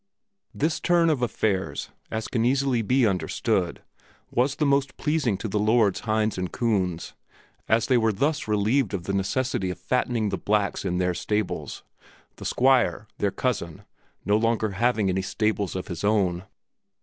This turn of affairs, as can be easily understood, was the most pleasing to the lords Hinz and Kunz, as they were thus relieved of the necessity of fattening the blacks in their stables, the Squire, their cousin, no longer having any stables of his own.